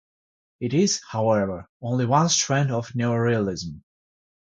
It is, however, only one strand of neorealism.